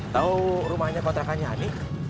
tau rumahnya kontrakannya nih